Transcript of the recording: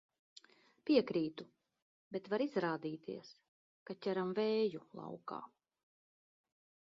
Piekrītu, bet var izrādīties, ka ķeram vēju laukā.